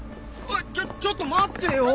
あっちょっと待ってよ！